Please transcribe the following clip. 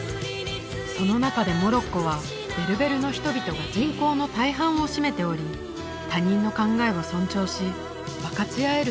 その中でモロッコはベルベルの人々が人口の大半を占めており他人の考えを尊重し分かち合える